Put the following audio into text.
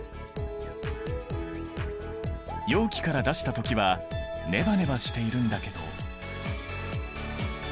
容器から出した時はネバネバしているんだけど。